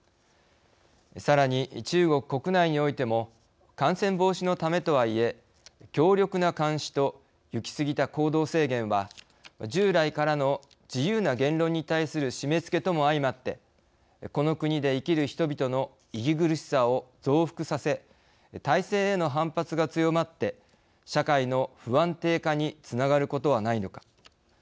さらに中国国内においても感染防止のためとはいえ強力な監視と行き過ぎた行動制限は従来からの自由な言論に対する締めつけとも相まってこの国で生きる人々の息苦しさを増幅させ体制への反発が強まって社会の不安定化につながることはないのか。